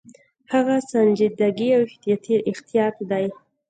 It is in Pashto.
هغه سنجیدګي او احتیاط دی.